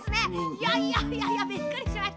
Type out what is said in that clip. いやいやいやいやびっくりしました。